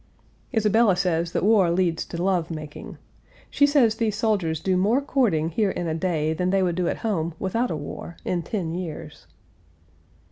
Isabella says that war leads to love making. She says these soldiers do more courting here in a day than they would do at home, without a war, in ten years.